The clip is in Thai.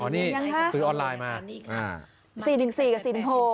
อ๋อนี่คือออนไลน์มานี่ค่ะสี่หนึ่งสี่กับสี่หนึ่งหก